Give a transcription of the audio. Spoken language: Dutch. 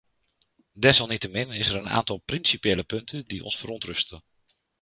Desalniettemin is er een aantal principiële punten die ons verontrusten.